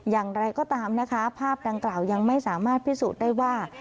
อย่างไรก็ตามนะคะภาพดังกล่าวยังไม่สามารถพิสูจน์ได้ว่า